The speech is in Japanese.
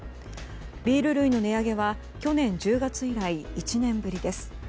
ビール類の値上げは去年１０月以来１年ぶりです。